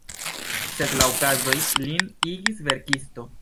Sed la okazoj lin igis verkisto.